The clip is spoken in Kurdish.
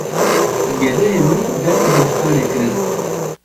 Gedeyên min dest bi dibistanê kirin.